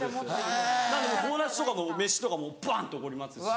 なので僕友達とかの飯とかもバンっておごりますし。